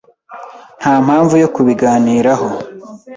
Nta mpamvu yo kubiganiraho.